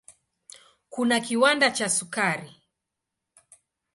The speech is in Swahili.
Kuna kiwanda cha sukari.